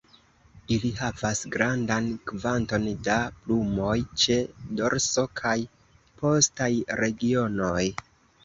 Ili havas grandan kvanton da plumoj ĉe dorso kaj postaj regionoj.